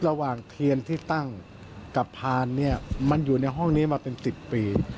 ระหว่างเทียนที่ตั้งกับพานเนี่ยมันอยู่ในห้องนี้มาเป็น๑๐ปี